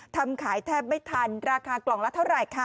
ทำขายแทบไม่ทันราคากล่องละเท่าไหร่คะ